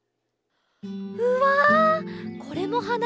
うわこれもはな？